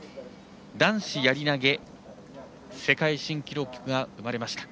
男子やり投げ世界新記録が生まれました。